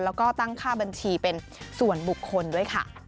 แล้วก็ตั้งค่าบัญชีเป็นส่วนบุคคลด้วยค่ะ